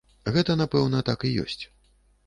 Гэта, напэўна, так і ёсць.